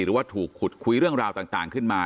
หรือว่าถูกขุดคุยเรื่องราวต่างขึ้นมา